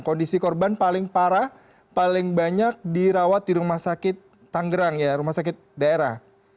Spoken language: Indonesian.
kondisi korban paling parah paling banyak dirawat di rumah sakit tanggerang ya rumah sakit daerah